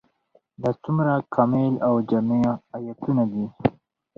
دا څومره کامل او جامع آيتونه دي ؟